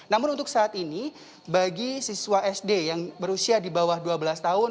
namun untuk saat ini bagi siswa sd yang berusia di bawah dua belas tahun